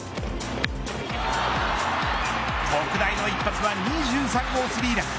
特大の一発は２３号スリーラン。